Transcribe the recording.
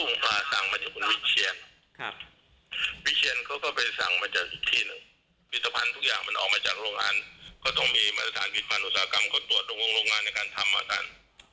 มันมีมาตรฐานผิดพันธ์อุตสาหกรรมเขาตรวจโรงงานในการทำมากัน